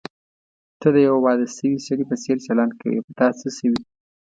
ته د یوه واده شوي سړي په څېر چلند کوې، په تا څه شوي؟